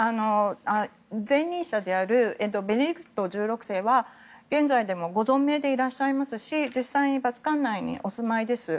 前任者であるベネディクト１６世は現在でもご存命でいらっしゃいますしバチカン内にお住まいです。